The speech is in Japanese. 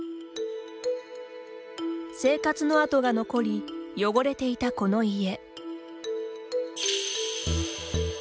生活のあとが残り汚れていたこの家。